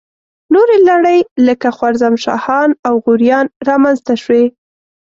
نورې لړۍ لکه خوارزم شاهان او غوریان را منځته شوې.